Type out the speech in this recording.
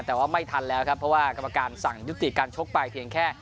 แต่ว่าไม่ทันแล้วครับเพราะว่ากรรมการสั่งยุติการชกไปเพียงแค่